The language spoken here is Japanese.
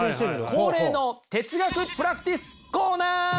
恒例の哲学プラクティスコーナー！